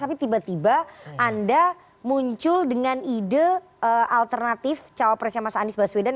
tapi tiba tiba anda muncul dengan ide alternatif cawapresnya mas anies baswedan